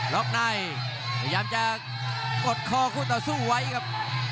ล็อกในพยายามจะกดคอคู่ต่อสู้ไว้ครับ